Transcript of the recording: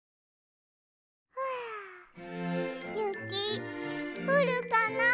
はあゆきふるかなあ？